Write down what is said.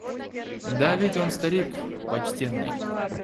Да ведь он старик почтенный!